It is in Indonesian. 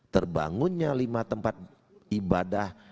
terbangunnya lima tempat ibadah